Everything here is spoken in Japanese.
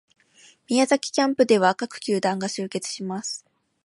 宮崎キャンプでは各球団が集結します